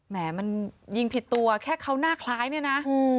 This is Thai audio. แหมมันยิงผิดตัวแค่เขาหน้าคล้ายเนี่ยนะ